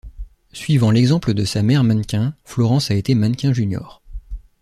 Suivant l'exemple de sa mère mannequin, Florence a été mannequin junior.